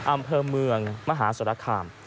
อำเภอเมืองมหาสรคาม